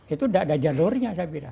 itu tidak ada jalurnya saya bilang